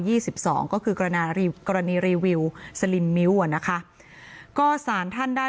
ยี่สิบสองก็คือกรณากรณีรีวิวนะคะก็สารท่านได้